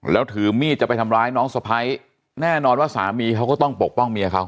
แล้วถือมีดจะไปทำร้ายน้องสะพ้ายแน่นอนว่าสามีเขาก็ต้องปกป้องเมียเขา